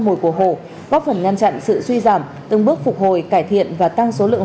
mùi của hộ góp phần ngăn chặn sự suy giảm từng bước phục hồi cải thiện và tăng số lượng